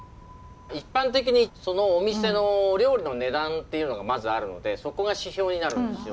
一般的にそのお店のお料理の値段っていうのがまずあるのでそこが指標になるんですよ。